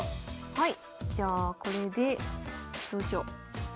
はい。